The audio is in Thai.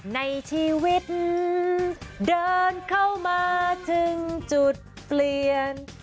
ในชีวิตเดินเข้ามาถึงจุดเปลี่ยน